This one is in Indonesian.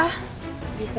bisa ketemu sama elsa